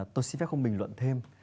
tôi xin phép không bình luận thêm